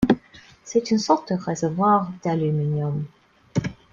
C’est une sorte de réservoir d’aluminium.